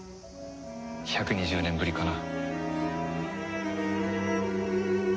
１２０年ぶりかな。